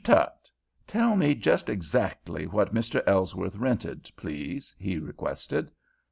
Tutt, tell me just exactly what Mr. Ellsworth rented, please," he requested.